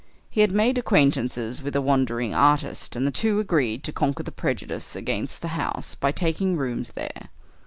He had made acquaintance with a wandering artist, and the two agreed to conquer the prejudices against the house by taking rooms there.